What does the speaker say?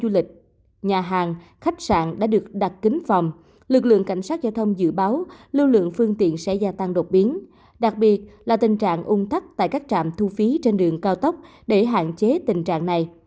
lưu lượng phương tiện sẽ gia tăng đột biến đặc biệt là tình trạng ủng tắc tại các trạm thu phí trên đường cao tốc để hạn chế tình trạng này